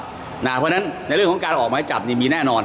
เพราะฉะนั้นในเรื่องของการออกไม้จับนี่มีแน่นอน